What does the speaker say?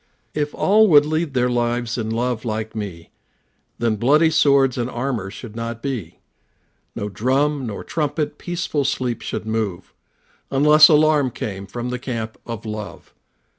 If all would lead their lives in love like me, Then bloody swords and armor should not be; No drum nor trumpet peaceful sleeps should move, Unless alarm came from the camp of love.